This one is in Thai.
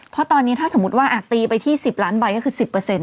เพราะตอนนี้ถ้าสมมุติว่าอ่ะตีไปที่สิบล้านใบก็คือสิบเปอร์เซ็นต์